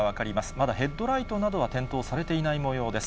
まだヘッドライトなどは点灯されていないもようです。